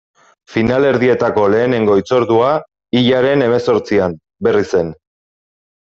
Finalerdietako lehenengo hitzordua, hilaren hemezortzian, Berrizen.